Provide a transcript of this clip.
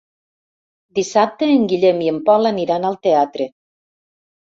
Dissabte en Guillem i en Pol aniran al teatre.